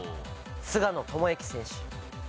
菅野智之選手。